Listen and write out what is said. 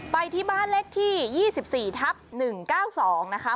ไปที่บ้านเลขที่๒๔ทับ๑๙๒นะคะ